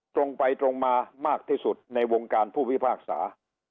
ตรงไปตรงมามากที่สุดในวงการผู้พิพากษา